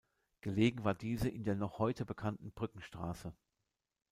Gelegen war diese in der noch heute bekannten Brückenstraße.